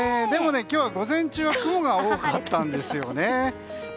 でも、今日は午前中は雲が多かったんですよね。